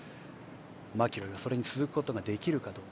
マキロイはそれに続くことができるか。